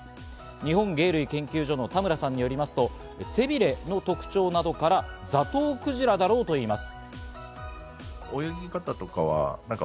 日本鯨類研究所の田村さんによりますと、背びれの特徴などからザトウクジラだろうといいます。